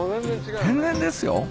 天然ですよ？